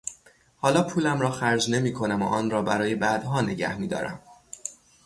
حالا پولم را خرج نمیکنم و آن را برای بعدها نگهمیدارم.